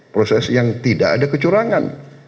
proses yang tidak ada kecurangan